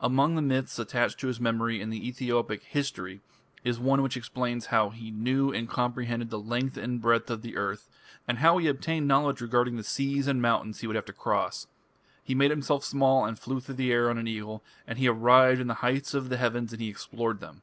Among the myths attached to his memory in the Ethiopic "history" is one which explains how "he knew and comprehended the length and breadth of the earth", and how he obtained knowledge regarding the seas and mountains he would have to cross. "He made himself small and flew through the air on an eagle, and he arrived in the heights of the heavens and he explored them."